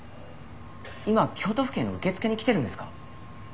今京都府警の受付に来てるんですか？